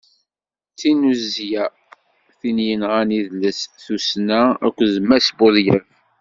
D tinnuzya, tid yenɣan idles, tussna akked d Mass Budyaf.